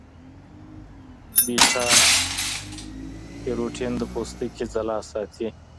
بیټا کیروټین د پوستکي ځلا ساتي.